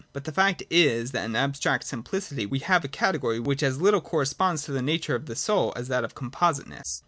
But the fact is, that in abstract simpUcity we have a category, which as little corresponds to the nature of the soul, as that of com positeness.